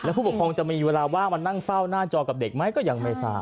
ผู้ปกครองจะมีเวลาว่างมานั่งเฝ้าหน้าจอกับเด็กไหมก็ยังไม่ทราบ